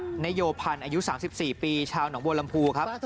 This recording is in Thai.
นายสุรชาตินโยพันธ์อายุ๓๔ปีชาวหนังวลำพูครับ